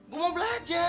gue mau belajar